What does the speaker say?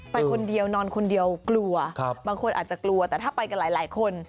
ไปคนเดียวนอนคนเดียวกลัวบางคนอาจจะกลัวแต่ถ้าไปกันหลายคน